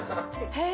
へえ！